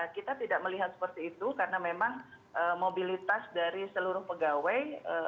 kita tidak melihat seperti itu karena memang mobilitas dari seluruh pegawai